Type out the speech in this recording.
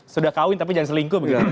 sudah kawin tapi jangan selingkuh begitu